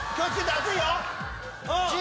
熱いよ！